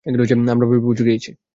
আমরা প্রায় পৌঁছে গিয়েছি।